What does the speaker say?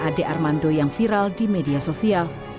ade armando yang viral di media sosial